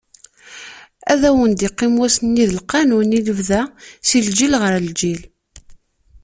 Ad wen-d-iqqim wass-nni d lqanun i lebda, si lǧil ɣer lǧil.